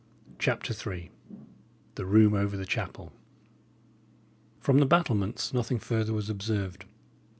CHAPTER III THE ROOM OVER THE CHAPEL From the battlements nothing further was observed.